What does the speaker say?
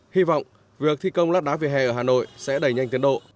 hy vọng việc thi công lát đá vỉa hè ở hà nội sẽ đầy nhanh tiến độ